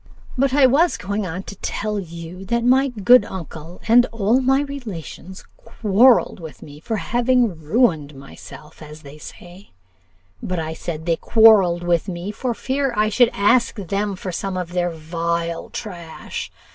"But I was going on to tell you, that my good uncle and all my relations quarrelled with me for having ruined myself, as they said; but I said they quarrelled with me for fear I should ask them for some of their 'vile trash.